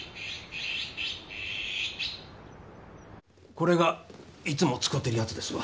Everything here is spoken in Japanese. これがいつも使てるやつですわ。